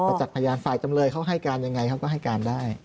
จักษ์พยานฝ่ายจำเลยเขาให้การยังไงเขาก็ให้การได้